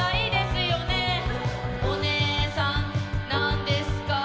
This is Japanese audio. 「お姉さんなんですか？